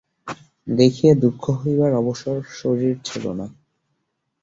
দেখিয়া দুঃখ হইবার অবসর শশীর ছিল না।